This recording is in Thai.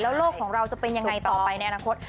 โลกของเราจะเป็นยังไงต่อไปในอนาคต